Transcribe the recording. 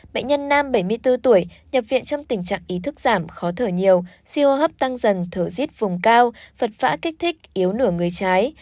bệnh nhân nam bảy mươi bốn tuổi nhập viện trong tình trạng ý thức giảm khó thở nhiều siêu hô hấp tăng dần thở riết vùng cao phật vã kích thích yếu nửa người trái